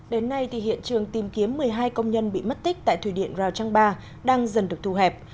đến nay hiện trường tìm kiếm một mươi hai công nhân bị mất tích tại thủy điện rào trang ba đang dần được thu hẹp